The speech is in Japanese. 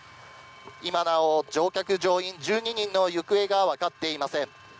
今なお、乗客・乗員１２人の行方がわかっていません。